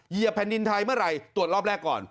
เหยียแผ่นดินไทยเมื่อไหร่ตรวจรอบแรกก่อน